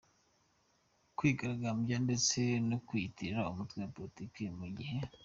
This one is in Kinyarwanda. kwigaragambya ndetse no kwiyitirira umutwe wa politike mugihe